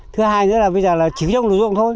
thứ hai nữa là bây giờ là chỉ dùng lưu dụng thôi